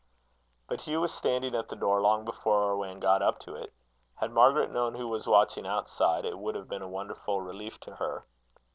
But Hugh was standing at the door long before Irwan got up to it. Had Margaret known who was watching outside, it would have been a wonderful relief to her.